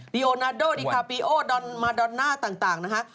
โอนาโดดิคาปีโอดอนมาดอนน่าต่างนะฮะ